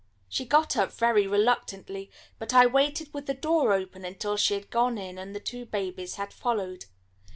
She got up very reluctantly, but I waited with the door open until she had gone in and the two babies had followed.